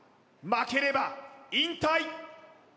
負ければ引退！